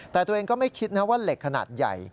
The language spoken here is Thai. แต่ตัวเองก็ไม่คิดนะว่าเหล็กขนาดใหญ่